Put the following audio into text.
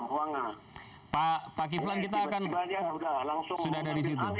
baik pak kiflan kita akan sudah ada di situ